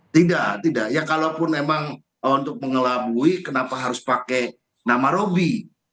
tidak tidak ya kalaupun memang untuk mengelabui kenapa harus pakai nama robby